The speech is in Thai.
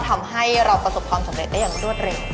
ทำให้เราประสบความสำเร็จได้อย่างรวดเร็ว